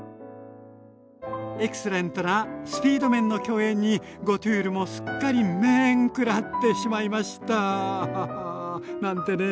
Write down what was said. エクセレントなスピード麺の競演にゴトゥールもすっかり「麺」くらってしまいましたハハ！なんてね！